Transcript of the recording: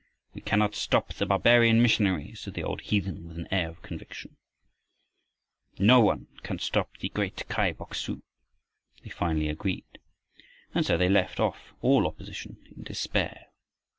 "We cannot stop the barbarian missionary," said the old heathen with an air of conviction. "No, no one can stop the great Kai Boksu," they finally agreed, and so they left off all opposition in despair.